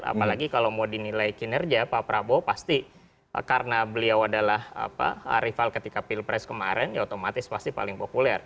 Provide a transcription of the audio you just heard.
apalagi kalau mau dinilai kinerja pak prabowo pasti karena beliau adalah rival ketika pilpres kemarin ya otomatis pasti paling populer